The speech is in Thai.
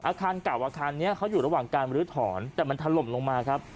อาคารเก่าอาคารเนี่ยเขาอยู่ระหว่างการบริษฐรแต่มันทันลมลงมาครับ